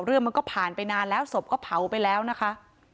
เรื่องมันก็ผ่านไปนานแล้วศพก็เผาไปแล้วนะคะ